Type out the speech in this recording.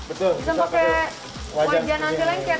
bisa pakai wajan aja lengket ya